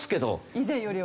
以前よりは。